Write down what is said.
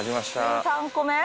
１３個目？